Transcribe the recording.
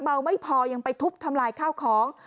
ไม่พอยังไปทุบทำลายข้าวของ